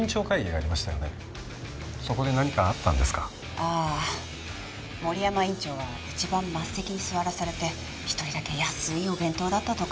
ああ森山院長は一番末席に座らされて１人だけ安いお弁当だったとか。